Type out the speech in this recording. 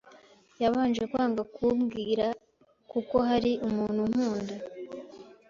Yabanje kwanga kubwira kuko ari umuntu unkunda